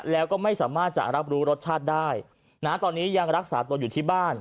แล้วก็ไม่สามารถจะรับรู้รสชาติได้นะตอนนี้ยังรักษาตัวอยู่ที่บ้าน